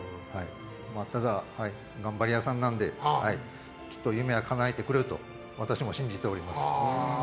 ただ、頑張り屋さんなのできっと夢はかなえてくれると私も信じております。